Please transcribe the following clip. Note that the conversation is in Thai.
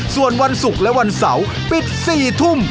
ส่วนวันศุกร์และวันเสาร์ปิด๔ทุ่ม